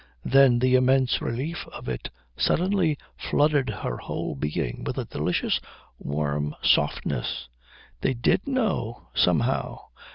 Then the immense relief of it suddenly flooded her whole being with a delicious warm softness. They did know. Somehow.